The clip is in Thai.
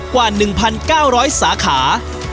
กว่า๑๙๐๐สาขา